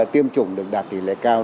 tiêm chủng được đạt tỷ lệ cao